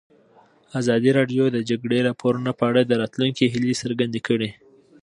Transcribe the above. ازادي راډیو د د جګړې راپورونه په اړه د راتلونکي هیلې څرګندې کړې.